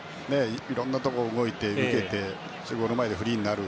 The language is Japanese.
いろんなところに動いてゴール前でフリーになる。